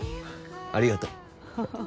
ありがとう。